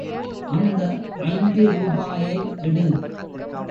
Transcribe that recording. அந்த ஐந்து ரூபாயை எடு.